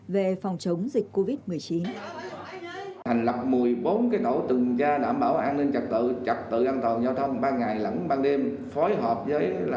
về phòng chống dịch covid một mươi chín